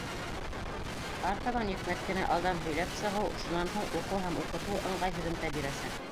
Артабан йөкмәткене алдан һөйләп сығыу, шунан һуң уҡыу һәм уҡытыу ыңғай һөҙөмтә бирәсәк.